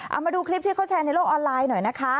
เอามาดูคลิปที่เขาแชร์ในโลกออนไลน์หน่อยนะคะ